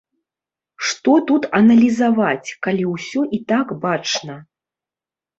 Што тут аналізаваць, калі ўсё і так бачна.